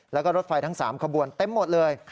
แล้วก็รถไฟทั้ง๓ขบวนเต็มหมดเลย